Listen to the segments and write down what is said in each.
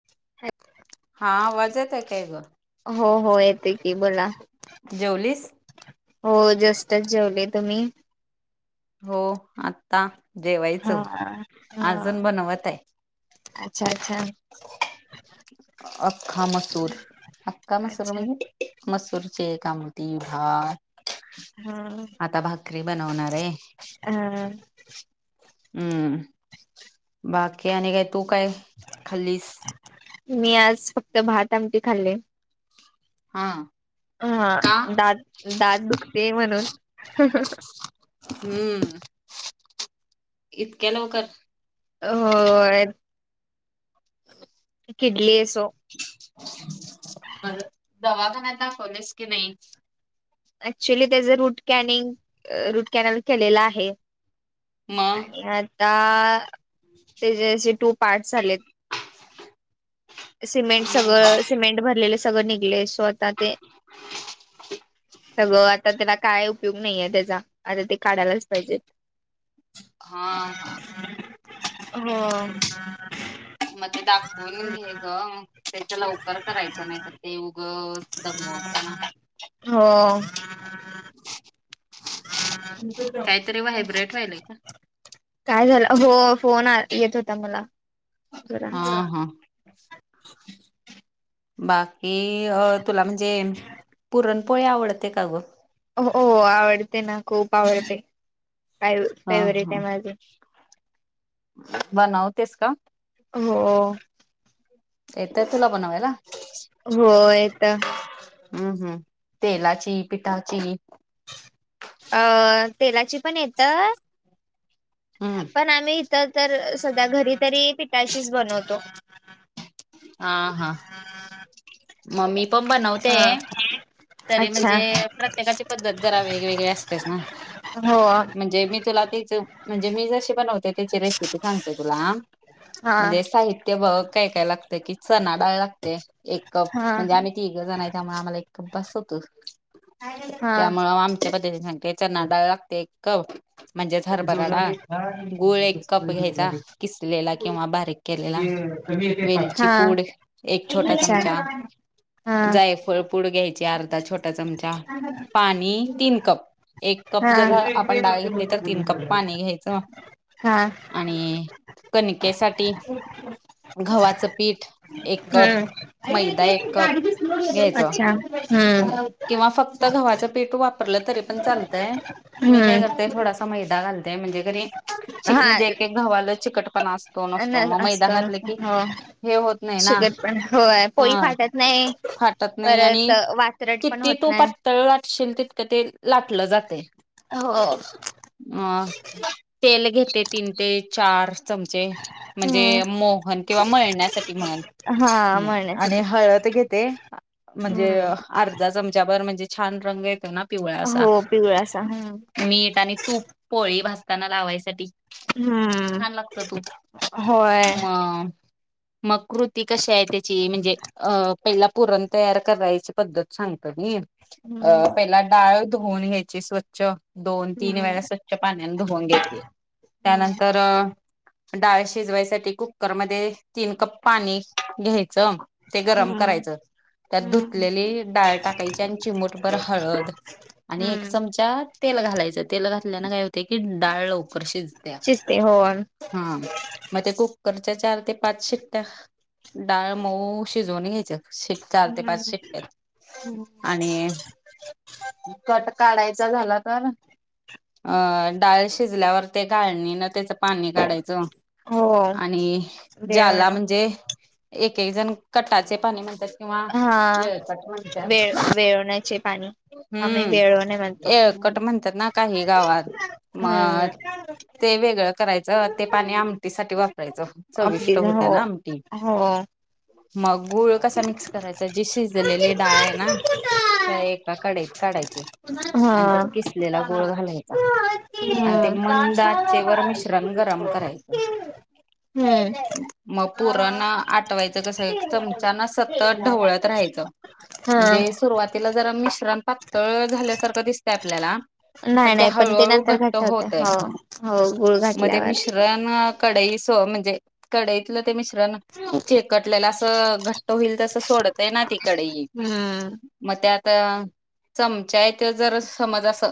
[unintelligible] हा आवाज येतोय काय ग? हो, हो, येतोय की बोला? जेवलीस? हो जस्टच जेवले. तुम्ही? हो आत्ता जेवायच, हा हा अजून बनवत आहे. अच्छा, अच्छा. अख्खा मसूर, अख्खा मसूर अच्छा म्हणजे? मसुरचे आमटी भात. हा आता भाकरी बनवणार आहे. अ हम्म, बाकी आणि काय तू काय खाल्लीस? मी आज फक्त भात आमटी खाल्ली. हा. हा, का दात, दात दुखते म्हणून. हम्म, इतक्या लवकर? होय. किडलिये सो. मग दवाखान्यात दाखवलेस की नाही. ऍक्च्युली त्याच रूट कॅनिंग, रूट कॅनल केलेलं आहे. मग आणि आता त्याचेे असे टू पार्ट् झालेत. सिमेंट सगळं, सिमेंट भरलेले सगळं निघलेस. तो आता ते, सगळं आत्ता ते काय उपयोग नाही आहे त्याचा, आता ते काढायलाच पाहिजेत. हा, हा. हो. मग ते दाखवून घे ग, त्याच्या लवकर करायचं. नाही तर ते उगाच दमवतो ना. हो काहीतरी व्हायब्रेट व्हायलाय. काय झालं? हो फोन येत होता मला. जरा हा, हा. बाकी अ, तुला म्हणजे पुरणपोळी आवडते का ग? हो, हो. आवडते ना खूप आवडते. काय हा, फेवरेट आहे हा. माझे बनवतेस का? हो. येतं तुला बनवायला? होय येतं. हम्म हम्म, तेलाची, पिठाची. अ तेलाची पण येतं, हम्म पण आम्ही तर, तर सध्या घरी तरी पिठाचीच बनवतो. हा, हा म मी पण बनवते. हा तरी अच्छा म्हणजे, प्रत्येकाची पद्धत जरा वेगवेगळी असतेच ना. हो हा म्हणजे मी तुला तेच म्हणजे मी जशी बनवते त्याची रेसिपी सांगते तुला हा. हा म्हणजे साहित्य साहित्य बघ काय काय लागतंय, कि चणा डाळ लागते एक कप, हा म्हणजे आम्ही तिघे जण आहेत, त्यामुळे आम्हाला एक कप बास होत. हा त्यामुळे आम त्या पद्धतीने सांगते. चणाडाळ लागते एक कप. म्हणजेच हरभरा डाळ गुळ एक कप घ्यायचा किसलेला किंवा बारीक- ते कधी येतेत बघा. ची पुड, एक छोटा चमचा हा जायफळ पूड घ्यायची अर्धा छोटा चमचा, पाणी तीन कप एक हा कप जर आपण डाळ घेतली तर तीन कप पाणी घ्यायचं. आणि कनकेसाठी, गव्हाचं पीठ पीठ एक कप, हम्म मैदा एक कप घ्यायचं. हा हम्म नाय, किंवा फक्त गव्हाचे पीठ वापरलं तरी पण चालतय, मी काय करत हम्म नाही थोडासा मैदा घालत्या म्हणजे क नाही, ची हा म्हणजे एक एक गव्हाला चिकटपणा असत तो न नसतो, मग मैदा असतो ना घातलं की हो हे होत नाही ना शुगर पण होय पोळी हा फाटत नाही फाटत नाही आणि परत वात्रट पण किती होत तू नाही पातळ लाटशील तितकं ते लाटलं जातंय. हो मग तेल घेते तीन ते चार चमचे म्हणजे हम्म मोहन किंवा मळण्यासाठी म्हणं. हा हम्य, आणि म्हणण्यासाठी हळद घेते, ळ म्हणजे अ हम्म अर्धा चमचा भर म्हणजे छान रंग येतो ना पिवळा सा- हो पिवळासा हम्म मीठ आणि तूप, पोळी भाजताना लावायसाठी हम्म छान लागतं तूप, होय हम्म मग मग कृती कशी ए त्याची, म्हणजे अ पहिला पुरण तयार करायची पद्धत सांग कधी, अ पहिला डाळ धुवून घ्यायची स्वच्छ दोन तीन हम्म वेळा स्वच्छ पाण्यानं धुवून घ्यायची, त्यानंतर अ डाळ शिजवायसाठी कुकर मध्ये, तीन कप पाणी घ्यायचं, ते गरम हम्म करायचं, त्यात दूध हम्म ते डाळ टाकायची आणि चिमूटभर हळद, आणि एक हम्म चम चा तेल घालायचं, तेल घातल्याने काय होतंय की डाळ लवकर कर शिजत्या, शिजते हो हं, मग ते कुकरच्या चार ते पाच शिट्ट्या डाळ मऊ शिजवून घ्यायचं, चार ते पाच शिट्ट्यात, आणि मी तो आता काढायचा झाला तर अन. डाळ शिजल्यावर ते गाळणी न त्याचं पाणी काढायचं हो आणि ज्याला देवण म्हणजे. एक एक जण, कटाचे पाणी म्हणतात किंवा हा येळकोट म्हणत्यात वेळ वेळवण्याचे पाणी आम्ही हम्म, वेळवणे म्हणतो. हम्म. एकट म्हणत्यात ना काही गावात, हम्म मग ते वेगळं करायचं आणि ते पाणी आमटीसाठी वापरायचं चविष्ट अगदीच होत्या हो ना आमटी. हो. मग गुळ कसा मिक्स कराय? च जी शिजलेली डाळ येणा, ति एका कढईत काढायची. आणि त्यात हा. किसलेला गूळ घालायचा, हम्म. आणि ते मंद आचेवर मिश्रण गरम करायचं. मग पुरण आठवायचं कसं, एक चमचान असं ढवळत राहायचं, हा म्हणजे सुरुवातीला जरा मिश्रण पातळ झाल्यासारखं दिसतंय आपल्याला पण नाही ते नाही हळूहळू नंतर घट्ट होते होतंय, हो हो गुळ मग ते घातल्यावर. मिश्रण कढई सौ म्हणजे, कढईतलं ते मिश्रण चिकटलेलं असं घट्ट होईल तसं, ते सोडतोय ना ती कडई, हम्म मग त्यात चमच्या आहे तो जरा समज असं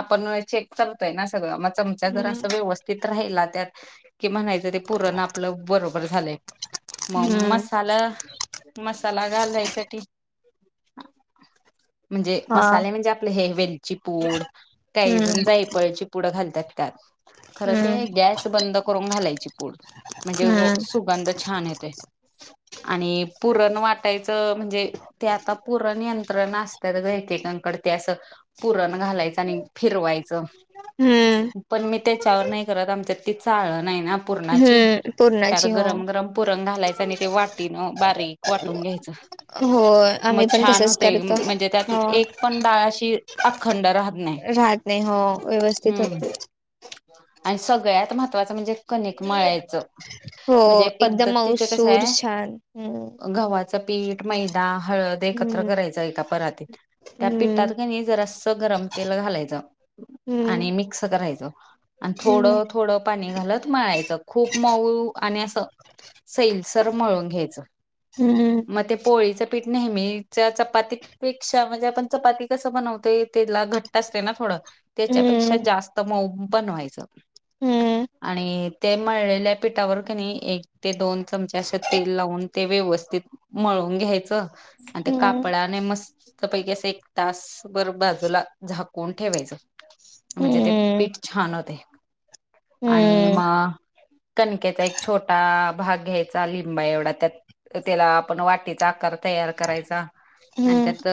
आपण चेक करतोय ना सगळं मग. चमचा जर असं व्यवस्थित राहिला त्यात, की म्हणायचं ते पूरन आपलं बरोबर झालंय, मग हम्म मसाला मसाला घालायसाठी हा. म्हणजे हा मसाले म्हणजे, आपले हे वेलची पूड काही जण हम्म जायफळची पुड घालतात त्यात. खरं हम्म ते गॅस बंद करून घालायची पूड म्हणजे हम्म सुगंध छान येतंय. आणि पुरण वाटायचं म्हणजे ते आता पूरण नियंत्रण असतात बहुतेकांकडे ते असं पुरण घालायचं आणि फिरवायचं. हम्म. पण मी त्याच्यावर नाही करत आमच्या ते चाळण आहे ना पुरणाची, हम्म त्यात पूर्णाची हो गरम गरम पुरण घालायच आणि ते वाटीन बारीक वाटून घ्यायचं. होय आम्ही मग पण छान तसच होते, करतो. म्हणजे त्यात हो. एक पण डाळ अशी अखंड राहत नाही. राहत नाही हो, व्यवस्थित हम्म होते. आणि सगळ्यात महत्त्वाचं म्हणजे कणिक मळायचं, हो म्हणजे एकदम पद्धत त्याच कसं मऊसूर आहे. [unintelligible] गव्हाचं पीठ, मैदा, हळद, एकत्र हम्म. करायच एका परातीत. त्या पिठात का नाही जरासं गरम तेल घालायचं आणि हम्म मिक्स करायचं. आणि हम्म थोडं थोडं पाणी घालत मळायचं. खूप मऊ आणि असं सैलसर मळून घ्यायचं. हम्म. मग ते पोळीचं पीठ नेहमीच्या चपाती पेक्षा, म्हणजे आपण चपाती कसं बनवतोय. त्याला घट्ट असते ना थोडं, त्याच्यापेक्षा हम्म जास्त मऊ पण बनवायचं. हम्म आणि ते मळलेल्या पिठावर का नाही एक ते दोन चमचा, असं तेल लावून ते व्यवस्थित मळून घ्यायचं. आणि ते हम्म हम्म कापडने मस्त पैकी, असं एक तास... भर बाजूला झाकून ठेवायचं म्हणजे ते हम्म पीठ छान होतय. आणि हम्म मग... कणकेचा एक छोटा... भाग घ्यायचा चा लिंबा एवढा त्यात, त्याला आपण वाटीचा आकार तयार करायचा आणि हम्म त्यात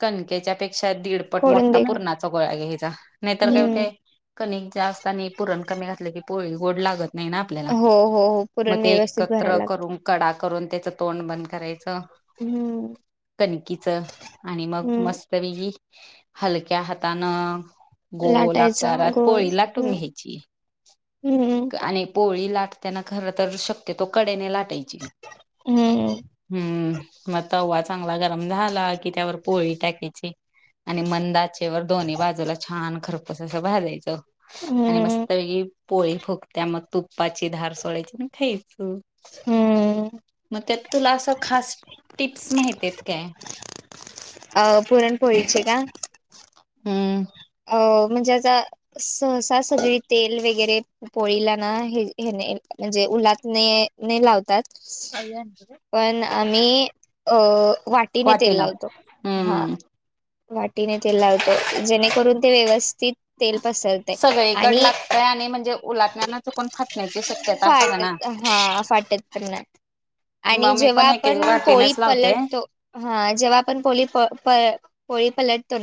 कणकेच्या पेक्षा दीड पट खोडून मोठा दे. पूरणाचा गोळा घ्यायचा, नाहीतर काय हम्म होतय. कणिक जास्त आणि पुरण कमी घातले की, पोळी गोड लागत नाही ना. आपल्याला.... हो हो हो मग पुरण ते व्यवस्थित भरायला एकत्र लागत करून कडा करून त्याच तोंड बंद करायचं. हम्म कणकीच आणि मग हम्म मस्तपैकी हलक्या हातानं गोल लाटायचा आकारात गोल पोळी लाटून हम्म घ्यायची हम्म आणि पोळी लाटताना खर तर शक्यतो कडेने लाटायची. हम्म हम्म... मग तवा चांगला गरम झाला कि त्यावर पोळी टाकायची. आणि मंद आचे वर दोन्ही बाजूला छान खरपूस अस भाजायचं आणि हम्म मस्तपैकी पोळी फुग त्या मग तुपाची धार सोडायची अन् खायचं. हम्म मग त्यात तुला असं खास टिप्स माहिती आहेत काय? अ.. पुरणपोळीचे का? हम्म हो... म्हणजे अजा सहसा सगळी तेल वगैरे पोळीला ना, हे.... ह्याने... म्हणजे उलाटने.. ने लावतात. पण आम्ही अ, वाटीनं तेल वाटीना लावतो, हां. हम्म वाटणे तेल लावतो जेणेकरून ते व्यवस्थित तेल पसरतंय सगळीकड आणि. लागतय आणि म्हणजे मुलांना कोण खात नाही ते ते स्वच्छता फाट असताना. हा फाटत पण नाही, आणि मग मी जेव्हा पण एक एक आपण पोळी वाटीनच लावते पलटतो हा फाटत पण नाय आणि जेव्हा आपण पोळी पलट पलट पलट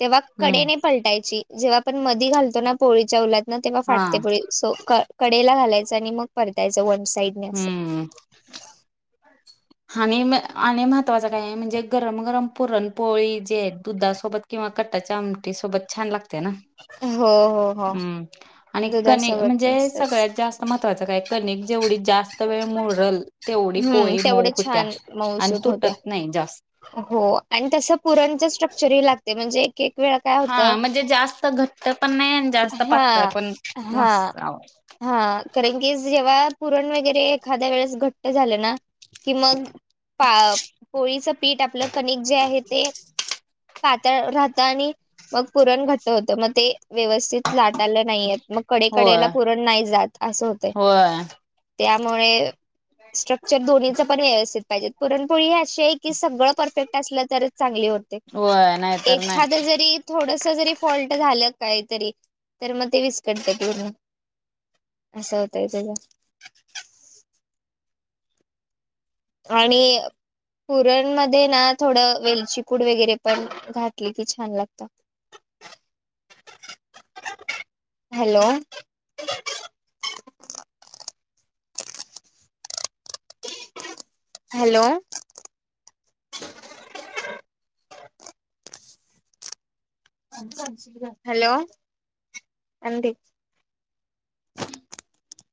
तेव्हा कढईने हम्म कडेने. पलटायची जेव्हा आपण मधी घालतो ना पोळीच्या उलातन तेव्हा हा फाट. कर कडेला घालायचं आणि मग परतायचं वन साईट. हुम. हाणिम आणि महत्त्वाचं काय आहे म्हणजे गरम गरम पुरणपोळी जे दुधासोबत. किंवा कटाच्या आमटी सोबत छान लागत त्या ना. हो हो हो. हम्म आणि कानिक दुधासोबत म्हणजे मस्तच सगळ्यात जास्त महत्त्वाचं काय, कणिक जेवढी जास्त त वेळ मूरल, तेवढी हम्म पोळी मऊ तेवढे होत्या, छान आणि मऊसूत होत्या तुटत नाही जास्त. हो आणि तसं पुरण चे स्ट्रक्चर ही लागत्या म्हणजे. केक वेगळा काप. हा म्हणजे जास्त घट्ट पण नाय आणि जास्त हा पातळ पण हा नसतं आहो. हा [inaudible] कारण की जेव्हा पुरण वगैरे एखाद्या वेळेस घट्ट की मग. पा पोळीचा पीठ आपलं कणिक जे आहे ते. पातळ राहतं आणि. मग पुरण घट्ट होतं मग ते व्यवस्थित लाटायला नाही येत मग कडे कडेला होय पुरण नाही जात. असं होतंय. होय. त्यामुळे स्ट्रक्चर हे दोन्हीचं पण व्यवस्थित पाहिजे. पुरणपोळी हे अशी ए की सगळं परफेक्ट असलं तरच चांगली होते होय नाहीतर नाही. एखादा जरी. थोडासा जरी फॉल्ट झालं काय तरी तर मग ते विस्कटतय. [unintelligible] असं होतायचये ग. आणि पुरण मध्ये ला थोडं वेलची पूड वगैरे पण घातली की छान लागते. ह [inaudible] हॅलो. हॅलो. हॅलो आंधी.